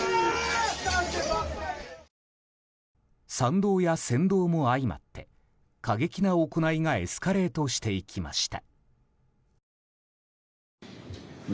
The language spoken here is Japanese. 賛同や扇動も相まって過激な行いがエスカレートしていきました。